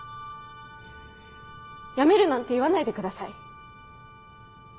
辞めるなんて言わないでください。